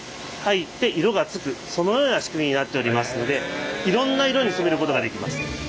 そのような仕組みになっておりますのでいろんな色に染めることができます。